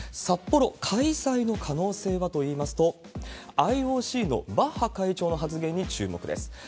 札幌開催の可能性はといいますと、ＩＯＣのバッハ会長の発言に注目です。